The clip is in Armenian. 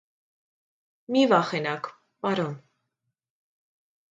- Մի վախենաք, պ.